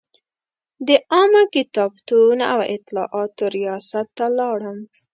د عامه کتابتون او اطلاعاتو ریاست ته لاړم.